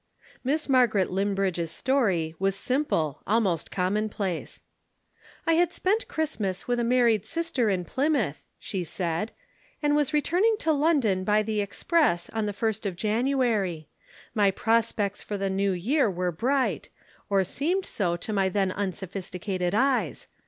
Miss Margaret Linbridge's story was simple, almost commonplace. "I had spent Christmas with a married sister in Plymouth," she said, "and was returning to London by the express on the first of January. My prospects for the New Year were bright or seemed so to my then unsophisticated eyes.